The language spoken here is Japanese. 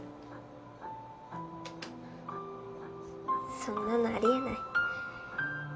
そんなのあり得ない。